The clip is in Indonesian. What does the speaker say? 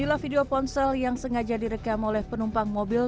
inilah video ponsel yang sengaja direkam oleh penumpang mobil